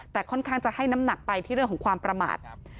แต่ค่อนข้างจะให้น้ำหนักไปที่เรื่องของความประมาท